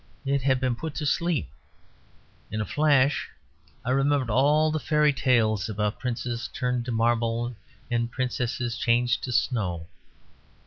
It had been put to sleep. In a flash I remembered all the fairy tales about princes turned to marble and princesses changed to snow.